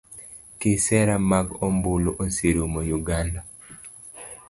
Kisera mag ombulu oserumo uganda